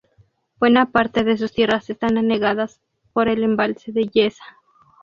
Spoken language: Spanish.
Buena parte de sus tierras están anegadas por el embalse de Yesa.